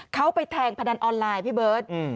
เขาไปแทงพนันออนไลน์พี่เบิร์ต